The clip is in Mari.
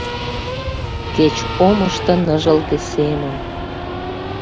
Кеч омышто ныжылге семым